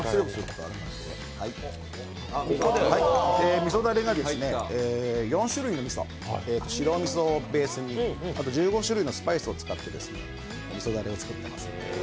味噌だれが４種類のみそ白味噌をベースにあと１５種類のスパイスを使ってみそだれを作っています。